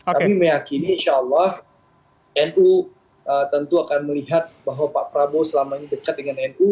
kami meyakini insya allah nu tentu akan melihat bahwa pak prabowo selama ini dekat dengan nu